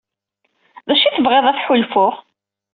D acu ay tebɣiḍ ad t-ḥulfuɣ?